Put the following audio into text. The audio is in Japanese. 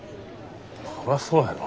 そらそやろ。